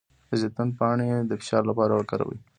د زیتون پاڼې د فشار لپاره وکاروئ